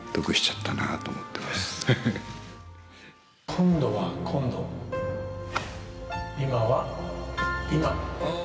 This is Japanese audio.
今度は今度、今は今。